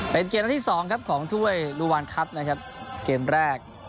เป็นเกมนัดที่สองครับของถ้วยลูวานครับนะครับเกมแรก